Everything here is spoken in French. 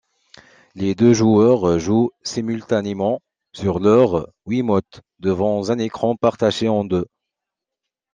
Les deux joueurs jouent simultanément sur leur Wiimote, devant un écran partagé en deux.